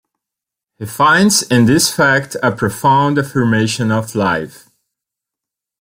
He finds in this fact a profound affirmation of life.